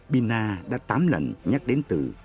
pina đã tám lần nhắc đến từ